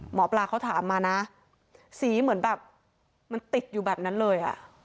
หมอปลาเขาถามมานะสีเหมือนแบบมันติดอยู่แบบนั้นเลยอ่ะ